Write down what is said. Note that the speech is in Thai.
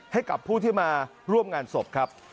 ให้กับผู้ที่มาร่วมงานศพครับ